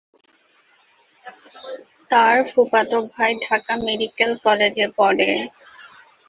তার ফুফাতো ভাই ঢাকা মেডিকেল কলেজে পড়ে।